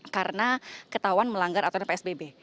karena ketahuan melanggar aturan psbb